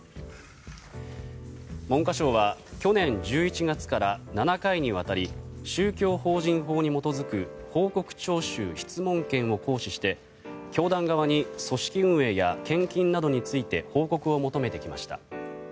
文科省は去年１１月から７回にわたり宗教法人法に基づく報告徴収・質問権を行使して教団側に組織運営や献金などについて報告を求めてきました。